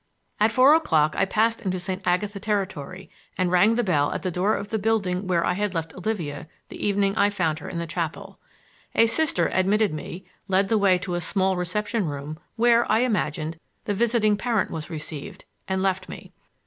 At four o'clock I passed into St. Agatha territory and rang the bell at the door of the building where I had left Olivia the evening I found her in the chapel. A Sister admitted me, led the way to a small reception room where, I imagined, the visiting parent was received, and left me.